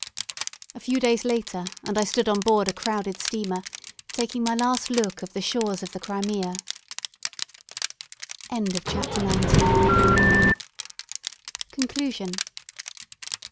A few days latter, and I stood on board a crowded steamer, taking my last look of the shores of the Crimea. CONCLUSION.